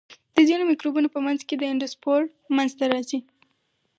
د ځینو مکروبونو په منځ کې اندوسپور منځته راځي.